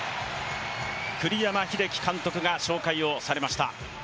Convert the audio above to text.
栗山英樹監督が紹介をされました。